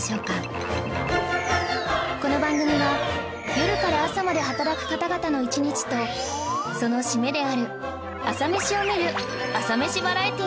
この番組は夜から朝まで働く方々の一日とその締めである朝メシを見る朝メシバラエティなのです